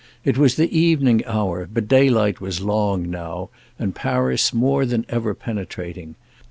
It was the evening hour, but daylight was long now and Paris more than ever penetrating.